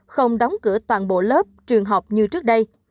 không đóng cửa toàn bộ lớp trường học như trước đây